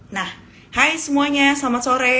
nah hai semuanya selamat sore